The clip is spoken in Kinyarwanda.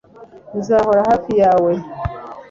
Nzahora hafi yawe